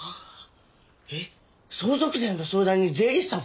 えっ相続税の相談に税理士さん